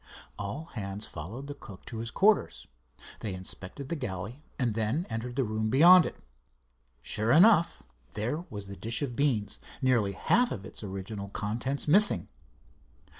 All hands followed the cook to his quarters. They inspected the galley and then entered the room beyond it. Sure enough, there was the dish of beans, nearly half its original contents missing.